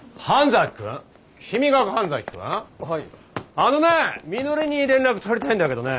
あのねみのりに連絡取りたいんだけどね！